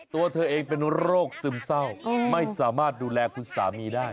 ตัวเธอเองเป็นโรคซึมเศร้าไม่สามารถดูแลคุณสามีได้